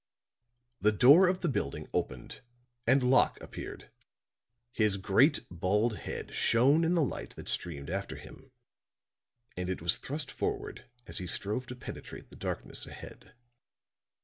The door of the building opened and Locke appeared; his great bald head shone in the light that streamed after him; and it was thrust forward as he strove to penetrate the darkness ahead.